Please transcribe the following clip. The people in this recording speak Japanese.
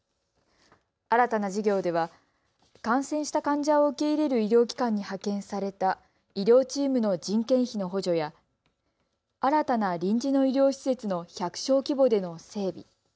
新たな事業では感染した患者を受け入れる医療機関に派遣された医療チームの人件費の補助や新たな臨時の医療施設の１００床規模での整備。